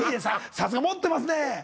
さすが持ってますね。